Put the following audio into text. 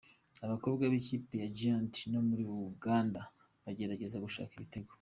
Abakobwa b’ikipe ya Giant yo muri Uganda bagerageza gushaka ibitego.